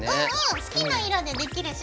好きな色でできるしね。